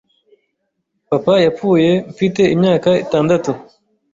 papa yapfuye mfite imyaka itndatu